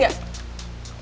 iya udah deh